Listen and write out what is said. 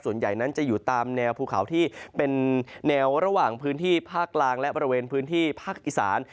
ส่วนใหญ่นั้นจะอยู่ตามแนวภูเขาที่เป็นแนวระหว่างพื้นที่ภาคกลางและบริเวณพื้นที่ภาคอีสาน